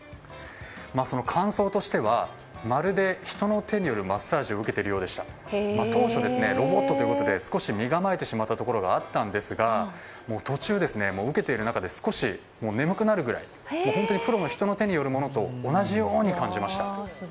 感想としてはまるで人の手によるマッサージを受けているようで当初、ロボットということで少し身構えてしまったところがあったんですが途中受けている中で少し眠くなるぐらい本当にプロの人による手と同じように感じました。